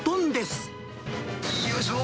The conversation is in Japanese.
よいしょ！